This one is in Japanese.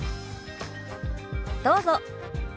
どうぞ。